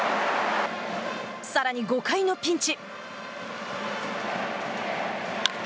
さらに５回のピンチ。